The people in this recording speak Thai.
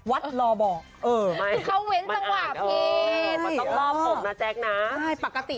วัดรอบอกเออไม่คือเขาเว้นสังหวะเพศอ๋อไม่อ๋อไม่ปกติ